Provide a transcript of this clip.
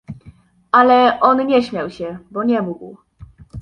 Ale on nie śmiał się, bo nie mógł.